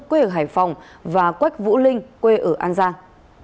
quê ở hải phòng và quách vũ linh quê ở an giang